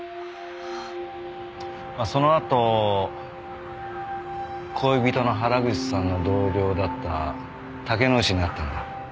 そのあと恋人の原口さんの同僚だった竹之内に会ったんだ？